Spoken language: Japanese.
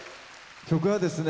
曲はですね